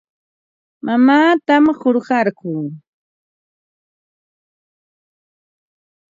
Mamaatam qunqarquu.